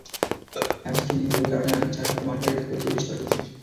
Hamstring ইনজুরির কারণে আগামী চার সপ্তাহ মাঠের বাইরে থাকতে হবে সুইডিশ তারকাকে।